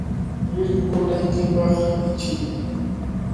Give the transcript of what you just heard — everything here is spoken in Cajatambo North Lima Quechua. ¡Rirqunaykipaq ichiy!